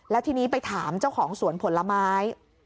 แล้วทีนี้ไปถามเจ้าของสวนผลไม้